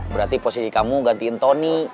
berarti posisi kamu gantiin tony